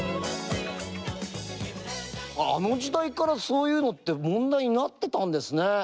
あの時代からそういうのって問題になってたんですね。